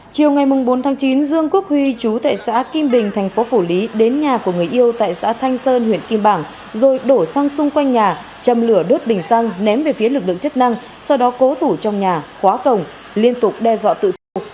chiều ngày bốn tháng chín dương quốc huy chú tại xã kim bình thành phố phủ lý đến nhà của người yêu tại xã thanh sơn huyện kim bảng rồi đổ xăng xung quanh nhà châm lửa đốt bình xăng ném về phía lực lượng chức năng sau đó cố thủ trong nhà khóa cổng liên tục đe dọa tự thu